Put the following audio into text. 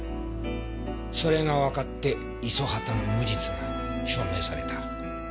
それがわかって五十畑の無実が証明された。